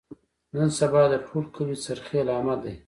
نن سبا د ټول کلي سرخیل احمد دی.